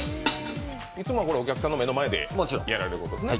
いつもはこれ、お客さんの目の前でやられるんですね。